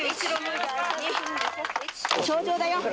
頂上だよ。